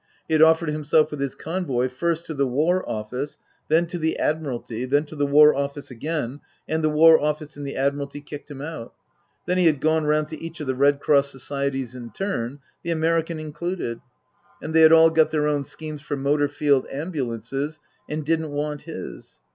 He had offered himself with his convoy first to the War Office, then to the Admiralty, then to the War Office again, and the War Office and the Admiralty kicked him out. Then he had gone round to each of the Red Cross Societies in turn, the American included. And they had all got their own schemes for Motor Field Ambulances, and didn't want his.